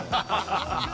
ハハハ！